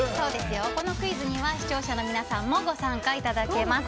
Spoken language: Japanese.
このクイズには視聴者の皆さんもご参加いただけます。